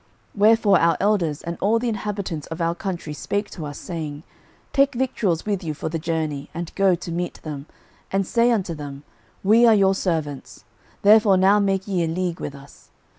06:009:011 Wherefore our elders and all the inhabitants of our country spake to us, saying, Take victuals with you for the journey, and go to meet them, and say unto them, We are your servants: therefore now make ye a league with us.